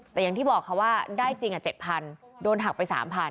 แต่อย่างที่บอกค่ะว่าได้จริง๗๐๐โดนหักไป๓๐๐